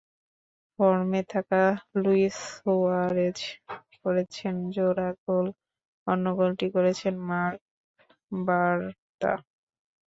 ফর্মে থাকা Luis Suarez করেছেন জোড়া গোল, অন্য গোলটি করেছেন মার্ক বার্ত্রা।